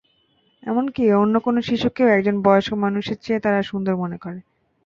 এমনকি, অন্য কোনো শিশুকেও একজন বয়স্ক মানুষের চেয়ে তারা সুন্দর মনে করে।